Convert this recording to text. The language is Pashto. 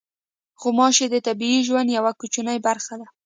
غوماشې د طبیعي ژوند یوه کوچنۍ برخه ده.